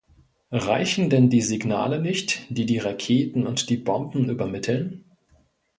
Reichen denn die Signale nicht, die die Raketen und die Bomben übermitteln?